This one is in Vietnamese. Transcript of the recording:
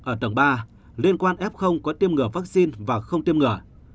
ở tầng ba liên quan f có tiêm ngỡ vaccine và không tiêm ngỡ